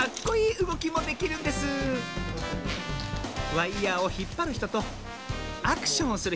ワイヤーをひっぱるひととアクションをする